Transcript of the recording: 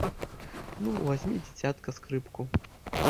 Ну, вазьмі, дзіцятка, скрыпку.